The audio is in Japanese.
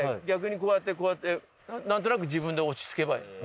逆にこうやってこうやってなんとなく自分で落ち着けばいい。